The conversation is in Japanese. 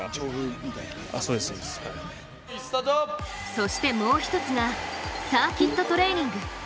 そしてもう一つがサーキット・トレーニング。